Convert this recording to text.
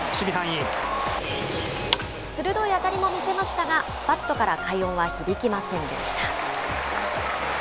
鋭い当たりも見せましたが、バットから快音は響きませんでした。